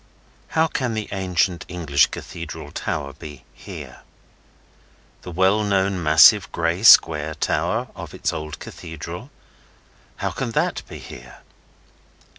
How can the ancient English Cathedral tower be here! The well known massive gray square tower of its old Cathedral? How can that be here!